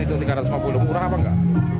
itu tiga ratus lima puluh murah apa enggak